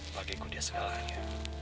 bagi ku dia segalanya